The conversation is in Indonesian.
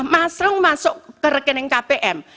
masrung masuk ke rekening kpm